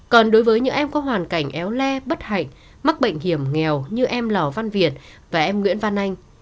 còn đối với những em có hoàn cảnh éo le bất hạnh mắc bệnh hiểm nghèo như em lò văn việt và em nguyễn văn anh